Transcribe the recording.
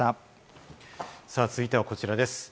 続いてはこちらです。